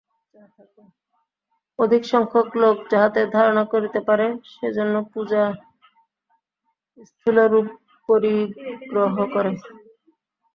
অধিকসংখ্যক লোক যাহাতে ধারণা করিতে পারে, সে-জন্য পূজা স্থূল রূপ পরিগ্রহ করে।